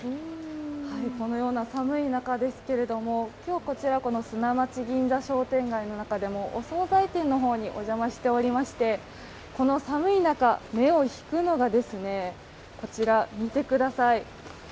このような寒い中ですけれども今日こちら砂町銀座商店街の中でもお総菜店にお邪魔しておりまして、この寒い中、目を引くのがこちら、見てください。